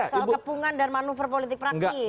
soal kepungan dan manuver politik praktis